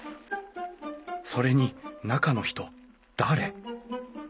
それに中の人誰？